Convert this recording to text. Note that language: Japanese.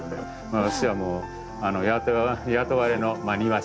私はもう雇われの庭師。